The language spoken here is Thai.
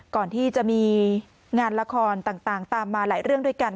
ก่อนที่จะมีงานละครต่างตามมาหลายเรื่องด้วยกัน